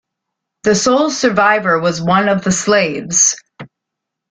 The sole survivor was one of the slaves.